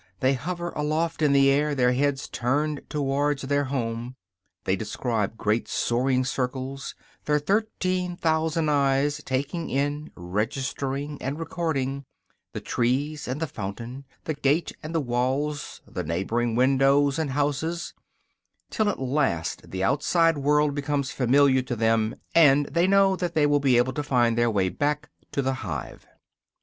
They hover aloft in the air, their heads turned towards their home; they describe great soaring circles, their thirteen thousand eyes taking in, registering and recording, the trees and the fountain, the gate and the walls, the neighboring windows and houses, till at last the outside world becomes familiar to them, and they know that they will be able to find their way back to the hive.